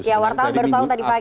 oke wartawan baru tahu tadi pagi